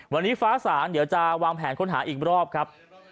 วันนี้ฟ้าสางเดี๋ยวจะวางแผนค้นหาอีกรอบครับ